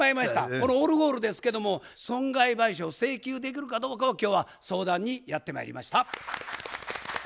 このオルゴールですけども損害賠償請求できるかどうかを今日は相談にやってまいりました。